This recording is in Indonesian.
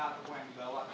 atau yang dibawa